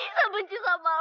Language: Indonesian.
aku mau pergi kemana mana